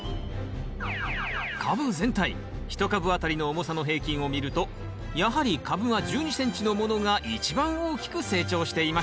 カブ全体一株あたりの重さの平均を見るとやはり株間１２ｃｍのものが一番大きく成長していました